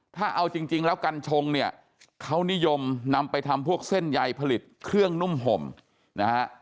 ถ้าเอาจริงแล้วกัญชงเนี่ยเขานิยมนำไปทำพวกเส้นใยผลิตเครื่องนุ่มห่มนะฮะ